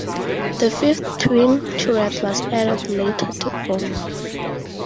The fifth twin turret was added later to only.